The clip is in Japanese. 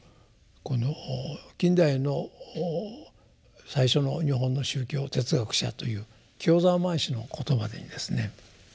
この近代の最初の日本の宗教哲学者という清沢満之の言葉にですね